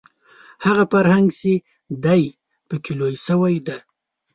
هغه فرهنګ چې دی په کې لوی شوی دی